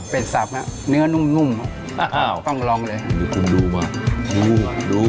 เป็ดสับนะเนื้อนุ่มต้องลองเลยครับดูมาดูมาดู